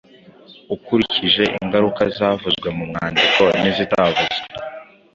Ukurikije ingaruka zavuzwe mu mwandiko n’izitavuzwe,